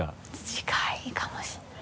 近いかもしれない。